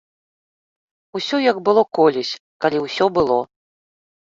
Усё як было колісь, калі ўсё было!